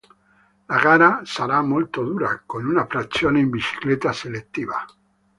La gara sarà molto dura, con una frazione in bicicletta selettiva.